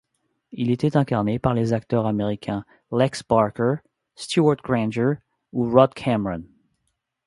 Il était incarné par les acteurs américains Lex Barker, Stewart Granger ou Rod Cameron.